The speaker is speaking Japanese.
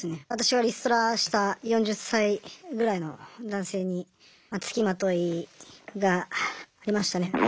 私はリストラした４０歳ぐらいの男性につきまといがありましたね。